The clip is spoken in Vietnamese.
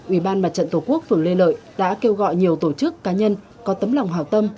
ubnd tổ quốc phường lê lợi đã kêu gọi nhiều tổ chức cá nhân có tấm lòng hào tâm